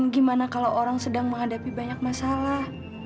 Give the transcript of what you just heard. gimana kalau orang sedang menghadapi banyak masalah